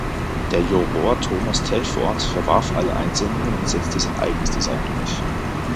Der Juror Thomas Telford verwarf alle Einsendungen und setzte sein eigenes Design durch.